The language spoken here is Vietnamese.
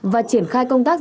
và triển khai công tác